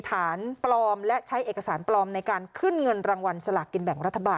ฐานปลอมและใช้เอกสารปลอมในการขึ้นเงินรางวัลสลากกินแบ่งรัฐบาล